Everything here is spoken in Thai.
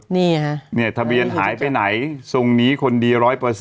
นี่ฮะเนี่ยทะเบียนหายไปไหนทรงนี้คนดี๑๐๐